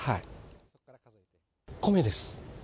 米です。